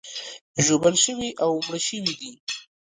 ژوبل شوي او مړه شوي دي.